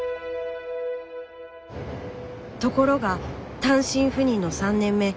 ところが単身赴任の３年目。